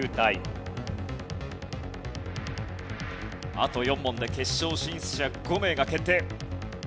あと４問で決勝進出者５名が決定。